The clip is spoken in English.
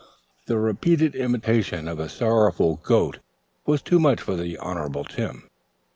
The repeated imitation of a sorrowful goat was too much for the Honorable Tim.